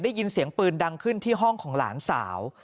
ได้ยินเสียงปืนดังขึ้นที่ห้องของหลานสาว